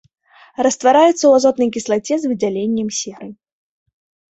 Раствараецца ў азотнай кіслаце з выдзяленнем серы.